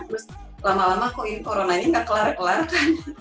terus lama lama kok ini coronanya nggak kelar kelar kan